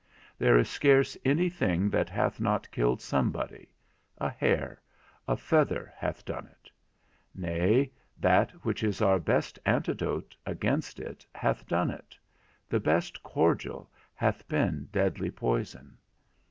There is scarce any thing that hath not killed somebody; a hair, a feather hath done it; nay, that which is our best antidote against it hath done it; the best cordial hath been deadly poison.